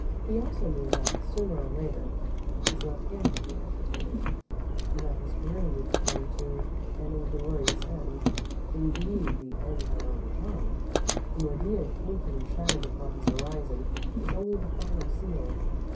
He also knew that, sooner or later, his left hand would be amputated and that his career would come to an inglorious end indeed, the end had already come. The ordeal painfully shadowed upon his horizon was only the final seal.